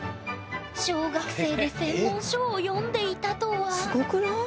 小学生で専門書を読んでいたとはすごくない？